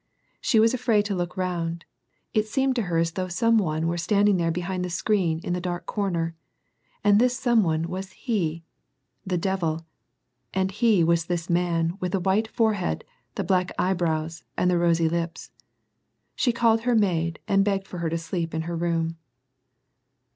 She was afraid to look round ; it seemed to her as though some one were stand ing there behind the screen in the dark corner. And this some one was he — the devil — and he was this man with the white forehead, the black eyebrows, and the rosy lips. She called her maid, and begged her to sleep in her room.